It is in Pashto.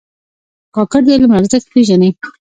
کاکړ د علم ارزښت پېژني.